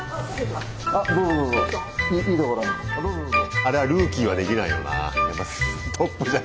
あれはルーキーはできないよな。